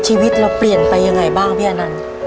ชีวิตเราเปลี่ยนไปยังไงบ้างพี่อนันต์